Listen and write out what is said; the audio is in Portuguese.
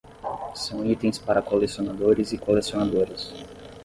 São itens para colecionadores e colecionadoras